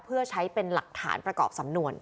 เพื่อใช้เป็นหลักฐานประกอบสำนวน